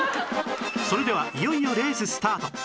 それではいよいよレーススタート